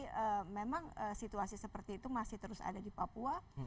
jadi memang situasi seperti itu masih terus ada di papua